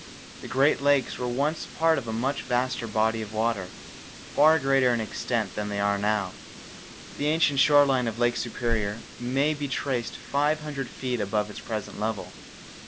The Great Lakes were once part of a much vaster body of water, far greater in extent than they now are. The ancient shore line of Lake Superior may be traced five hundred feet above its present level.